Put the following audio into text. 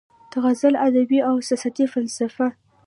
د غزل ادبي او احساساتي فلسفه